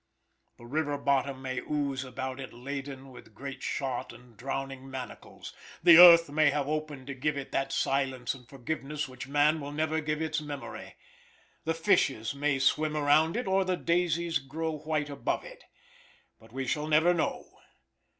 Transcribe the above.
The river bottom may ooze about it laden with great shot and drowning manacles. The earth may have opened to give it that silence and forgiveness which man will never give its memory. The fishes may swim around it, or the daisies grow white above it; but we shall never know.